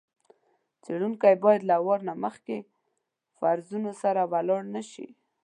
څېړونکی باید له وار له مخکې فرضونو سره لاړ نه شي.